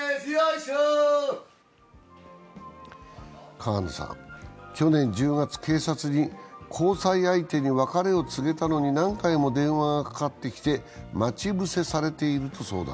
川野さん、去年１０月、警察に交際相手に別れを告げたのに何回も電話がかかってきて待ち伏せされていると相談。